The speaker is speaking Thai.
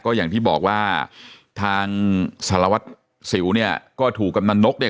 อย่างที่บอกว่าทางสารวัตรสิวเนี่ยก็ถูกกำนันนกเนี่ย